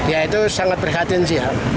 ya itu sangat berkhatiin sih